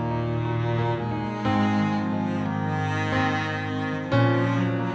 bang adit bang adit